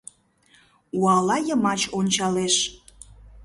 Уала йымач ончалеш.